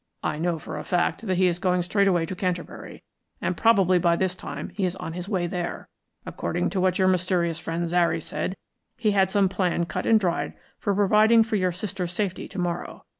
I know for a fact that he is going straight away to Canterbury, and probably by this time he is on his way there. According to what your mysterious friend Zary said, he had some plan cut and dried for providing for your sister's safety to morrow.